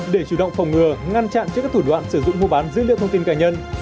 để chủ động phòng ngừa ngăn chặn trước các thủ đoạn sử dụng mua bán dữ liệu thông tin cá nhân